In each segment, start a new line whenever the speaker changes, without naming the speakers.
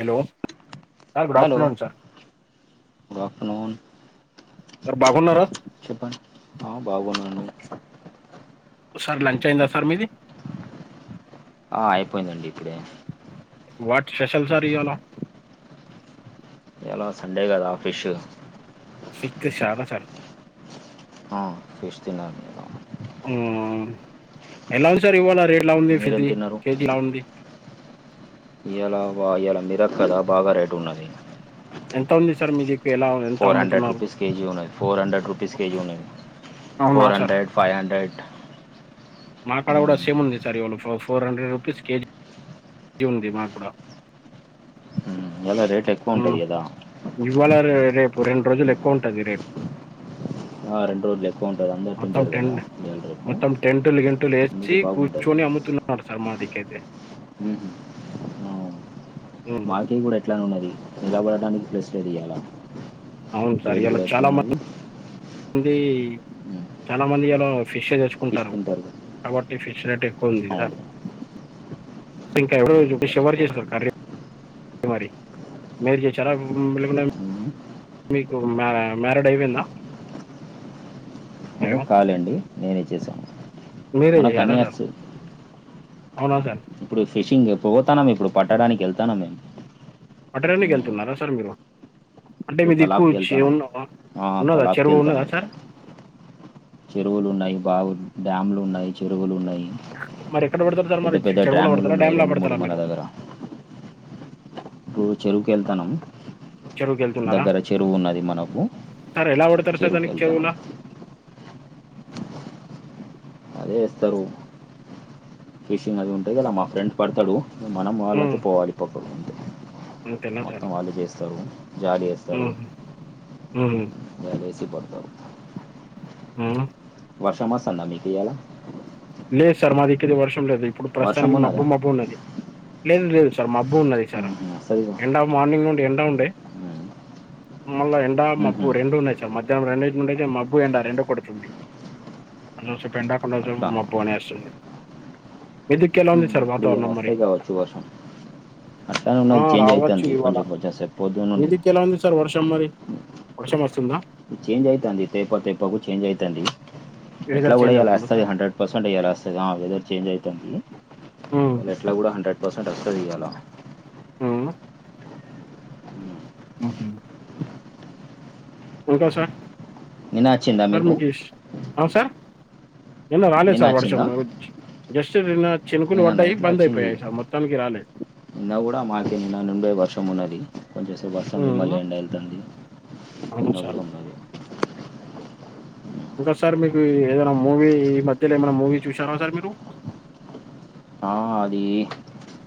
Hello sir good
hello
afternoon sir
good afternoon
sir బాగున్నారా
చెప్పండి ఆ బాగున్నాండి
సార్ లంచ్ అయిందా సార్ మీది
ఆ అయిపోయిందండి ఇప్పుడే
వాట్ స్పెషల్ సార్ ఇవాల
ఇయలా సండే కదా ఫీష్
ఇతే సాలా సార్ [unintelligible]
ఆ ఫిష్ తిన్నాను బ్రో
ఆ ఎలా ఉంది సార్ ఇవాళ రేట్లా ఉంది
మీరేం
ఫిది కేజీ ఎలా ఉంది
ఇలా వా ఇలా మిరక్ కదా బాగా రేటున్నది
ఎంత ఉంది సార్ మీదిక్
ఫోర్ హండ్రెడ్ రూపీస్ కేజీ ఉన్నది ఫోర్ హండ్రెడ్ రూపీస్ కేజీ ఉన్నది
అవునా
four
sir
hundred five hundred
మా కాడ కూడా
మ్మ్
సేమ్ ఉంది సార్ ఇవాళ ఫోర్ హండ్రెడ్ రూపీస్ కేజీ ఇ ఉంది మాకూడా
మ్మ్ ఇయాల రేట్ ఎక్కువ ఉంటది కదా
ఇవాళ రేపు రెండు రోజులు ఎక్కువ ఉంటుంది రేపు
ఆ రెండు రోజ్
మొత్తం టెంట్ మొత్తం టెంటులు గెంటులు
అందుకే
వేసి
బాగుంటది
కూర్చొని అమ్ముతున్నాడు సార్ మన మా దికేతే మ్మ్.
మాకు కూడా ఎట్లానే ఉన్నది నిలబడడానికి ప్లేస్ ఇయ్యాల
అవును సార్ ఇయ్యలా చాలా మంది అంది చాలా మంది ఎలా ఫిష్ చేసుకుంటారు
ఇస్తుంటారు కదా.
కాబట్టి ఫిష్ రే కొంది
అవును
ఇంకా ఎవ
అవును ఇవాళ
వర్
ఎక్కువ ఉంది.
చేస్తారు కర్ర [unintelligible] ారి మ చె చార మగున్నా [unintelligible]
ఉమ్.
మీకు మ మ్యారడైవ్ అయిపోయిందా హలో
కాలండి నేనే ఇచ్చసాను
మీరే [unintelligible] సార్ అవునా
ఇప్పుడు ఫిషింగ్ పోతానం ఇప్పుడు పట్టడానికి వెళ్తానా మేము
అక్కడనికి
ఉమ్.
వెళ్తున్నారా సార్ మీరు అంటే
ఇప్పుడు
మీది ఎక్కువ
తలాబ్కి
వచ్చి
వెళ్తానం
ఉన్నా
ఆ,
ఉన్నదా
తలాబ్కి
చెరువు ఉన్నదా
వెళ్తానం ఇక
సార్
చెరువులు ఉన్నాయి బావు డ్యామ్లు ఉన్నాయి చెరువులు ఉన్నాయి
మరి ఎక్కడ పడతారు సార్
పెద్ద
మరి చె-
పెద్ద
చెరువులో
డ్రాములు
పడతారా
ఉన్నాయి
డ్యామ్లో
రెండు మూడు
పడతారా
మన
మీరు
దగ్గర ఇప్పుడు చెరువుకు వెళ్తానం
చెరువుకి వెళ్తున్నారా
దగ్గర చెరువు ఉన్నది మనకు
సార్ ఎలా పడతారు సార్
చెరువుకి
దానికి
వెళ్తానం
చెరువులా
అదే వస్తారు ఫిషింగ్ అది ఉంటది కదా మా ఫ్రెండ్ పడతాడు మనం వాళ్ళంత పోవాలి పక్క
అంతే నా సార్
జాలి వేస్తారు
ఆహా అహ
పర్త ఉ [unintelligible]
ఆ
వర్ష మాస్త అందా మీకు ఇయ్యల
లేదు సార్ మాది ఇక్కది వర్షం లేదు ఇప్పుడు
వర్షం
ప్రస్తుతానికి మబ్బు
ఉన్నదా
మబ్బు ఉన్నది లేదు లేదు సార్ మబ్బు ఉన్నది సార్
మ్మ్హ్మ్. వస్తుంది ఇగో.
ఎండఫ్ మార్నింగ్ నుండి ఎండ ఉండే
మ్మ్.
మల ఎండా మాబ్బ
మ్మ్హ్మ్.
రండూ ఉన్నాయ్ మధ్యాహ్నం రెండడుడియి మబ్బు ఎండ రెండో కుడుతుంంది అదిసపు ఎండాకుండా
అట్లా
మబ్బు మీ దిక్కు ఎలావుంది
ఇయ్యాల అస్తది కావచ్చు వర్షం అట్లానే
ఆ
ఉన్నది చేంజ్
రావచ్చు
అవుతుంది
ఇవాళ
కొంచెం కొంచెం సేపు పొద్దున నుండి
మీదిక్కు ఎలా ఉంది సార్ వర్షం మరి వర్షం మస్తుందా
చేంజ్ అయితంది తేపా తేపాకు చేంజ్ అయితంది ఎట్లా
వెదర్
కూడా
చేంజ్
ఇయాల
అవుతుందా
వస్తది
సార్
హండ్రెడ్ పర్సెంట్ ఇయల వస్తది వెదర్ చేంజ్ అయితుంది
ఉమ్,
వాళ్ ఎట్లా కూడా హండ్రెడ్ పర్సెంట్ వస్తది ఇయ్యాల
హుమ్ ఒకే ఇంకోసా
నిన్న అచ్చిందా మీకు
అవున్ సార్ నిన్న రాలే సార్ వర్షం జస్ట్ నిన్న చినుకులు
నిన్న
పడ్డాయి
నైట్లా
బంద్
అచ్చింది
అయిపోయాయి సార్ మొత్తానికి రాలేదు
నిన్న కూడా మాకే నిన్న నుండే వర్షం మొత్తం ఉన్నది కొంచెంసేపు వస్తుంది
ఉమ్,
మళ్ళీ ఎండ ఎళ్తుంది
అవును
నిన్న
సార్
గూడా ఉన్నది
ఇంకా సార్ మీకు ఏదైనా మూవీ మధ్యలో ఏమైనా మూవీ చూసారా సార్ మీరు
ఆ అది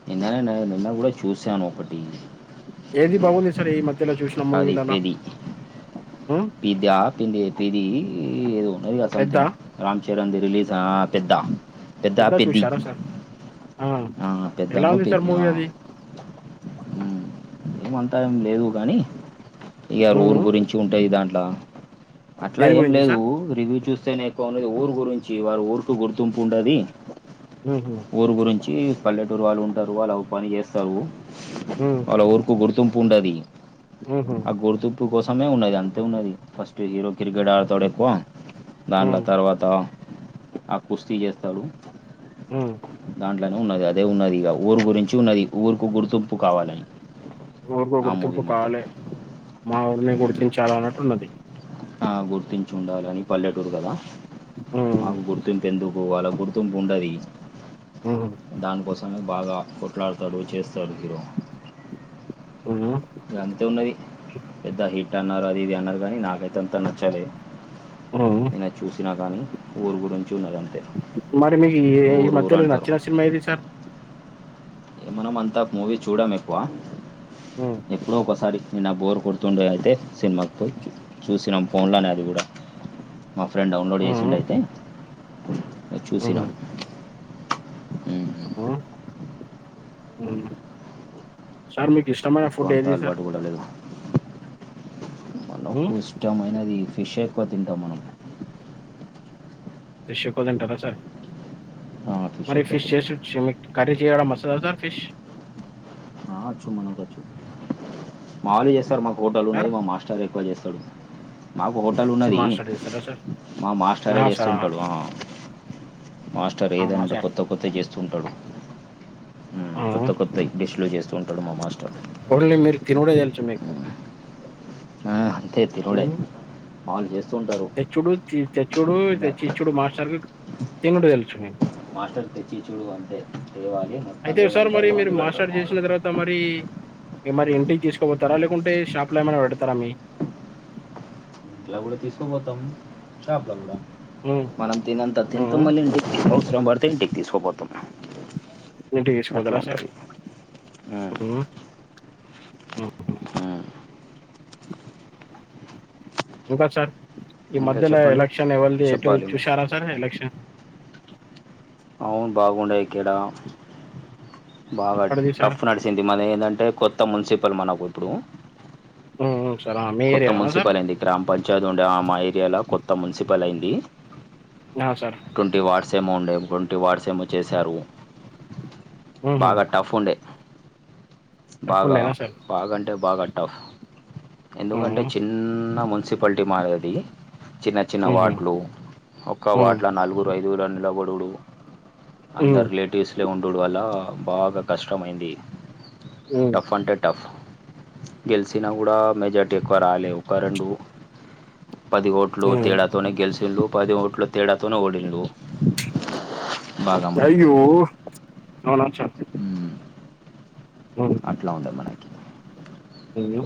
నిన్ననే నిన్న గూడ చూసాను ఒకటి
ఏది బాగుంది సార్ ఈ మధ్యల చూసిన మూవీలలా
పిదా పిది పిది ఈ ఏదో ఉన్నది కదా అతన్ ది
పెద్దా
రామ్ చరణ్ రిలీజా పెద్ద
పెద్ద చూశారా సార్ ఆ ఎలా
పెద్దనో
ఉంది సార్
పెద్ద
మూవీ
ఆ,
అది
ఉమ్. ఏమంతా ఏం లేదు గానీ ఇక ఊర్
ఉమ్
గురించి ఉంటది దాంట్ల అట్లా
దేని
ఏం
గురించి
లేదు
సార్
రివ్యూ చూస్ ఎక్కువనేది ఊరు గురించి వారి ఊరికు గుర్తింపు ఉండది
ఉహు
ఊరు గురించి పల్లెటూరు వాళ్ళు ఉంటారు వాళ్ళు పని చేస్తారు
ఉమ్
వాళ్ళ ఊరుకు గుర్తింపు ఉండది
ఉహు
ఆ గుర్తింపు కోసమే ఉన్నది అంతే ఉన్నది ఫస్ట్ హీరో క్రికెట్ ఆడతాడు ఎక్కువ దాన్ల
ఉమ్
తర్వాత ఆ కుస్తీ చేస్తడు
ఉమ్
అట్లనే ఉన్నది అదే ఉన్నది ఇక ఊరు గురించి ఉన్నది ఊరుకు గుర్తింపు కావాలని
ఊరికో
ఆ మూవీ
గుర్తింపు
మొత్తం
కవాలే మా ఊరిని
ఉమ్.
గుర్తించాలి అన్నట్టున్నది
ఆ గుర్తించి ఉండాలని పల్లెటూరు కదా
ఉమ్
మాకు గుర్తింపు ఎందుకు వాళ్ళ గుర్తింపు ఉండది
ఉమ్
దానికోసము బాగా కొట్లాడతాడు చేస్తాడు హీరో
ఉమ్
ఇగంతే ఉన్నది పెద్ద హిట్ అన్నారు అది ఇది అన్నారు కానీ నాకైతే అంత నచ్చలే
ఉమ్
నిన్నా చూసినా గానీ ఊరు గురు
మరి మీకి ఈ
ఊరు ఊరు
మధ్యలో
అంటారు
నచ్చిన సినిమా ఏది సార్
మనం అంతా మూవీ చూడం ఎక్కువ
ఉమ్
ఎప్పుడో ఒకసారి నిన్న బోర్ కొడుతుండే అయితే సినిమాకి పోయి చూసినాం ఫోన్లనే అది కూడా మా ఫ్రెండ్ డౌన్లోడ్ చేసిండు
ఉమ్
అయితే చూసినాం ఉమ్.
హుమ్ హు సార్ మీ ఇష్టమైన
ఎక్కువ
ఫుడ్
అంత
ఏది సార్
అలవాటు కూడా లేదు మనకు
ఉమ్
ఇష్టమైనది ఫిష్ ఎక్కువ తింటాం మనం
ఫిష్ ఎక్కువ తింటారా సార్ మరి
ఎక్కువ
ఫిష్
తింటాం
చేసి మీక్ కర్రీ చేయడం వస్తదా సార్ ఫిష్
ఆ వచ్చు మనకచ్చు మావోలు చేస్తారు మాకు హోటల్
సార్
ఉన్నది మాస్టర్ ఎక్కువ చేస్తారు చేస్తడు మాకు హోటల్ ఉన్నది
మాస్టర్ చేస్తారా సార్
మా మాస్టరే
ఆ సార్
చేస్తుంటడు ఆ మాస్టర్
అవునా
ఎదైనా
సార్
కొత్త కొత్తవి చేస్తంటాడు హుమ్
ఉమ్
కొత్త కొత్తయి డిష్ లు చేస్
ఓన్లీ మీరు తినడే తెల్చు మీకు
ఆ అంతే తినుడే
ఉమ్,
మావాలు చేస్
తెచ్చుడు తెచ్చుడు
అందరు
తేచిచ్చుడు మాస్టర్ తినడు తెలుసు
మాస్టర్ తెచ్చిచ్చుడు అంతే తేవాలి మొత్తం
అయితే సార్
ఏదంటే
మరి
అది
మీరు
వండి పెడతాడు
మాస్టర్
మా వాడు
చేసిన తర్వాత మరి మరి ఇంటికి తీసుకోపోతారా లేకుంటే షాప్ లో ఏమైనా పెడతారా మీ
ఇట్ల కూడా తీస్కా పోతాం షాప్ల కూడ
ఉమ్,
మనం తినంత తింతం
ఉమ్,
మళ్ళీ ఇంటికి అవసరం పడితే ఇంటికి తీసుకుపోతాం
ఇంటికి
అట్లా
తీస్కపోతారా సార్
ఉంటుంది ఆ
ఇంకా సార్ ఈ
ఇంకా
మధ్యలో
చెప్పండి
ఎలక్షన్ ఏవల్ది ఎటు
చెప్పాలి మీరు
చూశారా సార్ ఎలక్షన్
అవును బాగుండయిక్కడ బాగా
ఎక్కడిది సార్
టఫ్ నడిసింది మన ఏంటంటే కొత్త మున్సిపల్ మనకు ఇప్పుడు
ఆ సార్ మీ
కొత్త
ఏరియాలోనా సార్
మున్సిపల్ అయింది గ్రామ పంచాయతీ ఉండే ఆ మా ఏరియాలో కొత్త మున్సిపల్ అయింది
ఆ సార్
సేమో ఉండే గుంటి వాడుస ఏమో చేశారు
ఉహు.
బాగా టఫ్ ఉండే బాగా
తప్పకుండా సార్
బాగాంటే బాగా టఫ్ ఎందుకంటే
ఉహు,
చిన్న ము మున్సిపాలిటీ మాది చిన్న చిన్న
ఉహు,
వార్డులు ఒక్క
ఉహు,
వార్డులో నలుగురు ఐదుగురు నిలవడుడు
ఉహు,
అందరు రిలేటివ్స్ లో ఉం డుడు వల్ల బాగా కష్టమైంది టఫ్ అంటే టఫ్ గెలిచినా కూడా మెజార్టీ ఎక్కువ రాలేవు ఒక రెండు పది ఓట్లు
ఉహు.
తేడాతోనే గెలిచింళు పది ఓట్లు తేడాతోనే ఓడిళ్ళు
కాయి అవునాచ్చ
మ్మ్. అట్లా ఉండదు మనకి
ఆ ఏ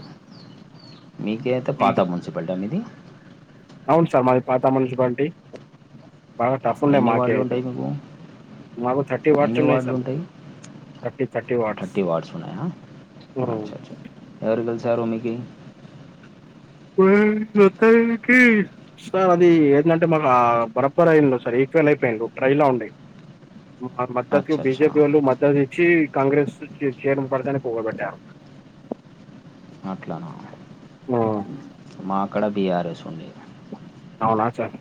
మీకేతది పాత మున్సిపాలిటీ అ మీది
అవును సార్ మాది పాత మున్సిపాలిటీ బాగా టఫ్ ఉండే
ఎన్ని వార్డులు
మాకేయితే
ఉంటాయి మీకు
మాకు థర్టీ వాడ్స్
ఎన్ని
ఉన్నాయి
వార్డులు
సార్
ఉంటాయి
థర్టీ థర్టీ వార్డుసు
వార్డ్స్ ఉన్నాయా సారు మీకి
సార్ అది ఏంటంటే మాకు బరబర్ అయిళ్ళు సార్ ఈక్వల్ అయిపో ట్రైలా ఉండే మద్దతు
అచ్చా అచ్చా
బిజేపి వాళ్ళు మద్దతు ఇచ్చి కాంగ్రెస్ చేరు పడుతనే పోగబట్టారు
అట్లనా మా కాడ బిఆర్ఎస్ ఉండేది
అవునా సార్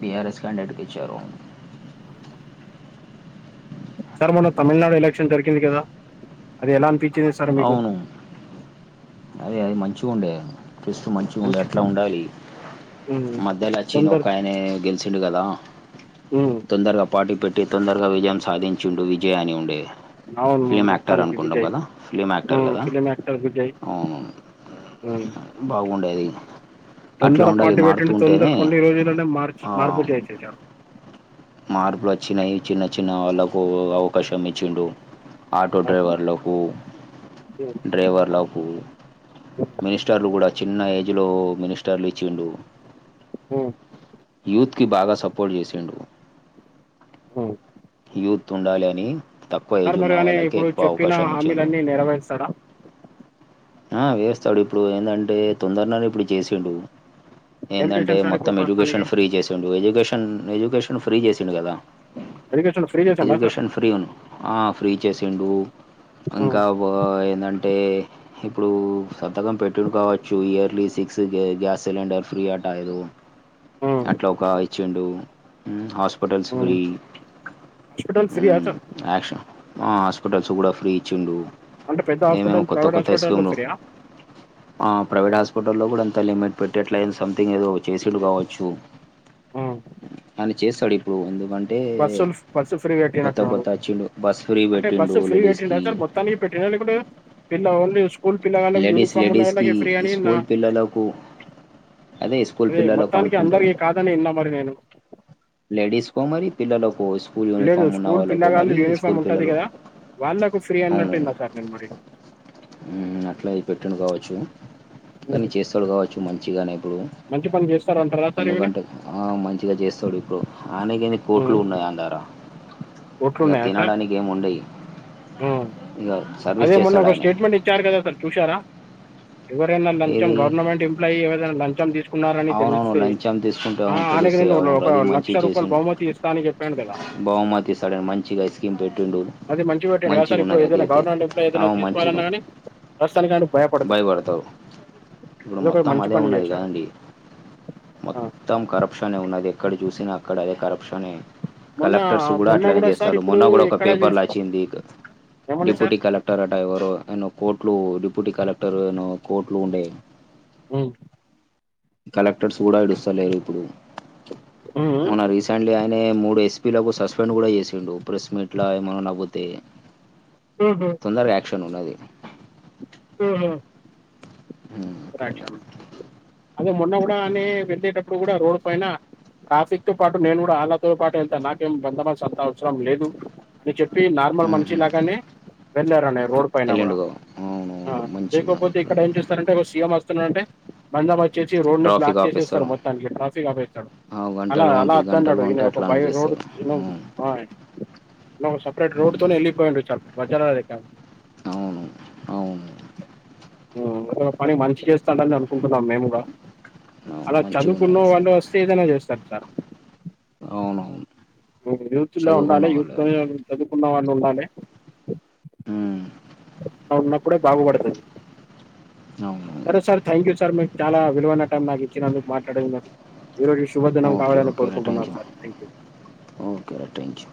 బిఆర్ఎస్ కాండేట్ ఇచ్చారు
సార్ మొన తమిళనాడు ఎలక్షన్ జరికింది కదా అది ఎలా అనిపించి ది సర్ మీకు
అవును అదే అది మంచిగా ఉండే బేస్ట్ మంచిగా ఉండే
మంచి
అట్లా ఉండాలి
హ్మ్.
మధ్యలో వచ్చి
తొందర
ఒక ఆయన గెలిచిండు కదా
హ్మ్.
తొందరగా పార్టీ పెట్టి తొందరగా విజయం సాధించిండు విజయ్ అని ఉండే
అవును
ఫిలిమ్ యాక్టర్
మొత్తానికి
అనుకుంటా
విజయ్
కదా ఫిలిమ్ యాక్టర్ కదా
ఫిలిం యాక్టర్ విజయ్
అవును
హ్మ్.
బాగుండేది అట్లా
తొందర
ఉండాలి
పార్టీ
మారుతూ
పెట్టిండు తొందర
ఉంటేనే
కొన్ని రోజులనే మార్చ
ఆ,
మార్పు చేయి చేసారు
మార్పులు వచ్చినాయి చిన్న చిన్న వాళ్ళకు అవకాశం ఇచ్చిండు ఆటో డ్రైవర్లకు డ్రైవర్లకు మినిస్టర్లు కూడా చిన్న ఏజ్లో మినిస్టర్లు ఇచ్చిండు
హ్మ్
కి బాగా సపోర్ట్ చేసిండు
హ్మ్
యూత్ ఉండాలి అని తక్కువ
సార్
ఏజ్ ఉన్న
మరి అని
వాళ్ళకి
ఇప్పుడు
ఎక్కువ
చెప్పిన
అవకాశం ఇచ్చిండు
హామీలన్నీ నెరవేరుస్తాడా
ఆ వేస్తాడు ఇప్పుడు ఏందంటే తొందరననే ఇప్పుడు చేసిండు
ఏం
ఏందంటే
చేశాను సార్ ఇప్పుడు
మొత్తం
ప్రస్తుతానికి
ఎడ్యుకేషన్ ఫ్రీ చేసిండు ఎడ్యుకేషన్ ఎడ్యుకేషన్ ఫ్రీ చేసిండు కదా
ఎడ్యుకేషన్ ఫ్రీ చేశాడా సార్
ఎడ్యుకేషన్ ఫ్రీను ఆ ఫ్రీ చేసిండు ఇంకా ఏంటంటే టే ఇప్పుడు సంతకం పెట్టిడు కావచ్చు yearly six gas cylinder free అంటే ఐదు అదు అట్లా ఒక ఇచ్చిండు హాస్ హస్పటల్స్ ఫ్రీ
హాస్పిటల్ ఫ్రీయా
ఉమ్,
చ
యాక్షన్ ఆ హాస్పిటల్స్ కూడా ఫ్రీ ఇచ్చిండు
అంటే పెద్ద
ఏమేమో
హాస్పిటల్
కొత్త
ప్రైవేట్
కొత్త
హాస్పిటల్లో
ఇస్కీములు
ఫ్రీయా
ఆ ప్రైవేట్ హాస్పిటల్లో కూడా అంత లిమిట్ పెట్టట్లేదు సంథింగ్ ఏదో చేసేడు కావచ్చు ఆయన చేస్తాడు ఇప్పుడు ఎందుకంటే
బస్సులు బస్సు
కొత్త
ఫ్రీగట్టినట్టున్నడు
కొత్త వచ్చిండు బస్ ఫ్రీ
అంటే బస్సు
పెట్టిండు
ఫ్రీగా పెట్టిండ
లేడీస్కి
సార్ మొత్తానికి పెట్టిండ లేకుంటే పిల్ల ఓన్లీ స్
లేడీస్ లేడీస్ కి ఈ
నా
స్కూల్ పిల్లలకు అదే స్కూల్ పిల్లలుకు
మొత్తానికి
అనుకుంటాము
అందరికీ కాదని విన్నా మరి నేను
లేడీస్కో మరి పిల్లలకో స్కూల్
లేదు
యూనిఫార్మ్ ఉన్న
స్కూల్
వాళ్ళకో
పిల్లగాళ్ళు
మరి
యూనిఫామ్
స్కూల్
ఉంటది
పిల్లలు
కదా వాళ్ళకు ఫ్రీ అన్నట్టు విన్నా సార్ నేను మరి
హ్మ్ అట్లావి పెట్టిండు కావచ్చు కానీ చేస్తాడు కావచ్చు మంచిగానే ఇప్పుడు
మంచి పని చేస్తారంటారా సార్ ఈవిని
ఎందుకంటే మంచిగా చేస్తాడు ఇప్పుడు ఆయనకేంది కోట్లు ఉన్నాయి ఆయన దగ్గరా ఇక తినడానికి ఏమి ఉండయి
హ్మ్
ఇక
అదే
సర్వీస్
మొన్న
చేస్తాడు
ఒక
ఆయన
స్టేట్మెంట్ ఇచ్చారు కదా అసలు చూసారా ఎవరైనా లంచం
ఏది
గవర్నమెంట్ ఎంప్లాయీ ఎవరైనా లంచం తీసు కున్నారని
అవునవును
తెలిస్తే
లంచం తీసుకుంటే
ఆ
అవును
ఆయనకి
తెలుస్తే
నేను
అవును
ఒక
అది
లక్ష
మంచిగా
రూపాయలు బహుమతి ఇస్తా అని చెప్పాను కదా
అది సడన్ మంచిగా ఇస్కీమ్ పెట్టిండు
అది మంచిగ పెట్టండి కా
మంచిగా
సార్ ఇప్పుడు
ఉన్నది అది
ఏదైనా
అయితే
గవర్నమెంట్ ఎంప్లాయి ఏదైనా
అవును మంచిగా
తీసుకోవాలన్నా
ఉంది,
కానీ ప్రస్తుతానికి ఆయనికి భయపడుతడు
భయపడతావు ఇప్పుడు మొత్తం అదే ఉన్నది గాండి
ఆ.
మొత్తం కరప్షన్ ఉన్నది ఎక్కడ చూసినా అక్కడ అదే కరప్షనే
మొన్న
కలెక్టర్స్ కూడా
మొన్న
అట్లనే
సార్
చేస్తారు
ఇప్పుడు
మొన్న కూడా ఒక
ఎక్కడ చూసి
పేపర్లచ్చింది
ఏమన్నా సార్
డిప్యూటీ కలెక్టర్ అట ఎవరో ఆయన కోట్లు డి డిప్యూటీ కలెక్టర్ను కోర్టులు ఉండే
హ్మ్
కలెక్టర్స్ కూడా ఇడుస్తలేరు ఇప్పుడు
ఉమ్.
మొన్న రీసెంట్లీ ఆయ నే మూడు ఎస్పీలకు సస్పెండ్ కూడా చేసిండు ప్రెస్ మీట్ లా ఏమనా నవ్వితే
ఉహు.
తొందరగా యాక్షన్ ఉన్నది
ఆహా
ఉమ్, అట్లా ఉన్నది
యాక్షన్ అదే మొన్న కూడా ఆమె వెళ్ళేటప్పుడు కూడా రోడ్డు పైన కాఫిక్ తో పాటు నేను కూడా వాళ్ళతో పాటు వెళ్తా నాకేం బందవల్స అంత అవసరం లేదు అని చెప్ ప్పి నార్మల్ మనిషి
ఉహుం.
లాగానే వెళ్ళారు అనే రోడ్ పైన కూడా
వెళ్ళిండు గో. అవును
అ
మంచిగా ఉన్నది
లేకపోతే ఇక్కడ
ఎట్లుంటే
ఏం చేస్తారంటే ఒ సీ. ఎం వస్తున్నాడంటే బందంబ చేసి రోడ్ని
ట్రాఫిక్
బ్లాక్ జేసేస్తరు
ఆపిస్తారు
మొత్తానికిగ ట్రాఫిక్ ఆపేస్తడు
ఆ,
అలా
గంటలుగా
అలా
ఉంటాయి
అద్దన్నాడు
గంటలుగా
ఈనే
ఉంటే
ఒక బై
అట్లానే
రోడ్
చేస్తారు
దిగినం
ఉమ్,
ఆయ్ నొ సపరేట్
ఉమ్.
రూట్తోనే ఎళ్ళిపోయిండు చర్ మజ్జనం లెక్క
అవును అవును
ఊ అతను పని మంచి జేస్తాండని అనుకుంటున్నాం మేము గుడా
అవును
అలా
మంచిగున్నాయి
చదువుకున్న
సార్
వాళ్ళు వస్తే ఏదైనా జేస్తరు సార్
అవునా
ఉ యూత్ లో ఉండాలి యూత్ లో చదువుకున్న వాళ్లుండాలి అట్లా ఉన్నప్పుడే బాగుబడతది
అ
సరే సార్ థ్యాంక్యూ సార్ మీక్ చాలా విలువైన టైం నాకిచ్చినందుకు మాట్లాడినందుకు ఈ రోజు శుభదినం
ఓకే
కావాలని
ఓకేరా
కోరుకుంటున్నాం సార్ థ్యాంక్యూ
థ్యాంక్యూ